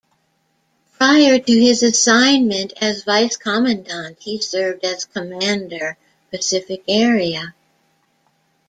Prior to his assignment as Vice Commandant, he served as Commander, Pacific Area.